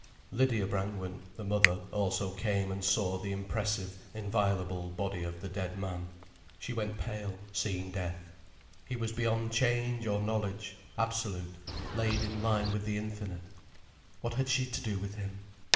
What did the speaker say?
Lydia Brangwen, the mother, also came and saw the impressive, inviolable body of the dead man. She went pale, seeing death. He was beyond change or knowledge, absolute, laid in line with the infinite. What had she to do with him?